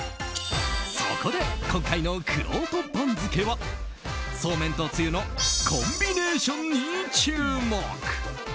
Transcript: そこで今回のくろうと番付はそうめんとつゆのコンビネーションに注目。